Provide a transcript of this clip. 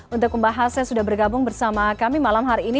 untuk pembahasnya sudah bergabung bersama kami malam hari ini